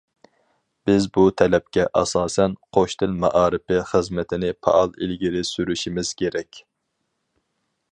بىز بۇ تەلەپكە ئاساسەن،‹‹ قوش تىل›› مائارىپى خىزمىتىنى پائال ئىلگىرى سۈرۈشىمىز كېرەك.